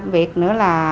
việc nữa là